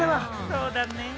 そうだね。